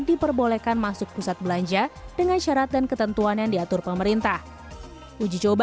diperbolehkan masuk pusat belanja dengan syarat dan ketentuan yang diatur pemerintah uji coba